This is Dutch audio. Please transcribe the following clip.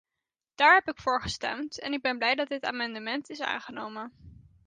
Daar heb ik voor gestemd en ik ben blij dat dit amendement is aangenomen.